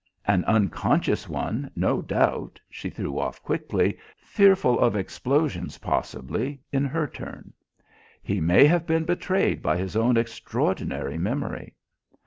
"An unconscious one, no doubt," she threw off quickly, fearful of explosions, possibly, in her turn. "He may have been betrayed by his own extraordinary memory."